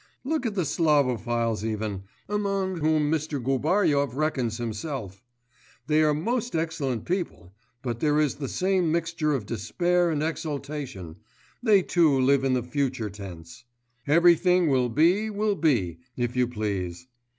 Look at the Slavophils even, among whom Mr. Gubaryov reckons himself: they are most excellent people, but there is the same mixture of despair and exultation, they too live in the future tense. Everything will be, will be, if you please.